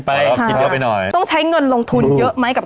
ไม่ตัดไม่ตัดไม่ตัด